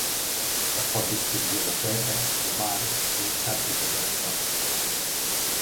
Es pot distingir la terra, el mar i les xarxes de transport.